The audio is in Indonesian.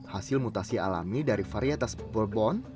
hasil mutasi alami dari varietas borbon